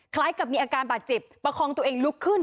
คล้ายกับมีอาการบาดเจ็บประคองตัวเองลุกขึ้น